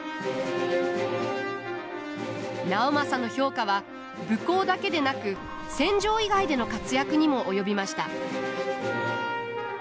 直政の評価は武功だけでなく戦場以外での活躍にも及びました。